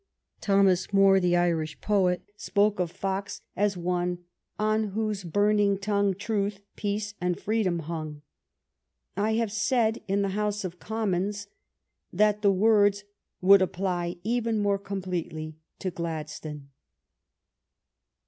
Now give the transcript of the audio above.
Thomas Moore, the Irish poet, spoke of Fox as one "on whose burning tongue truth, peace, and freedom hung." I have said in the House of Commons that the words would apply even more completely to Gladstone.